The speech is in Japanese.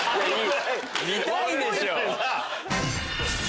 見たいでしょ！